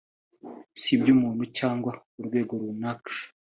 si iby’umuntu cyangwa urwego runaka